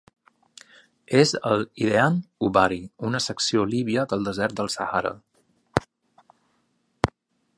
És al Idehan Ubari, una secció líbia del desert del Sàhara.